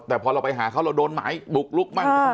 แต่พอเราไปหาเขาเราโดนหมายบุกลุกมั่ง